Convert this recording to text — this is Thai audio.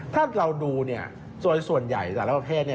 ถ้าเราดูส่วนใหญ่สหรัฐประเทศ